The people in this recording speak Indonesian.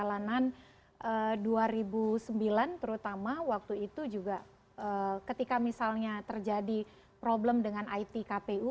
kalau kita lihat perjalanan dua ribu sembilan terutama waktu itu juga ketika misalnya terjadi problem dengan itkpu